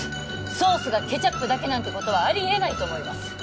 ソースがケチャップだけなんてことはあり得ないと思います